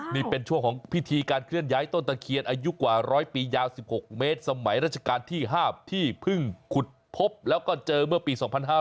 นี่เป็นช่วงของพิธีการเคลื่อนย้ายต้นตะเคียนอายุกว่า๑๐๐ปียาว๑๖เมตรสมัยราชการที่๕ที่เพิ่งขุดพบแล้วก็เจอเมื่อปี๒๕๕๙